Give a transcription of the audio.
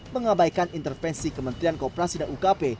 mengabaikan intervensi kementerian kooperasi dan ukp